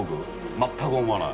全く思わない。